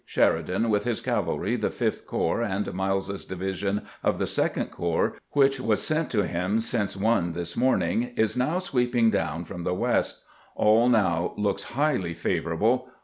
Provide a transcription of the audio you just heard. Sheri dan, with his cavalry, the Fifth Corps, and MUes's division of the Second Corps, which was sent to him since one this morning, is now sweeping down from the west. All now looks highly favorable.